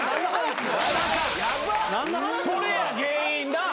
それや原因なあ？